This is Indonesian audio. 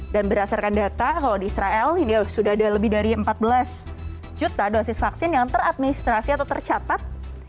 dan berdasarkan data kalau di israel ini sudah ada lebih dari empat belas juta dosis vaksin yang teradministrasi atau tercatat